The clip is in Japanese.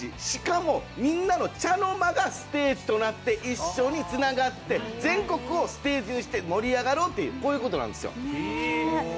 しかも、みんなの茶の間がステージとなって一緒につながって全国をステージにして盛り上がろうというそういうことなんですよ！